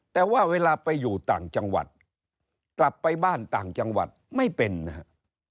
แต่ว่าเวลาไปอยู่ต่างจังหวัดกลับไปบ้านต่างจังหวัดไม่เป็นนะครับ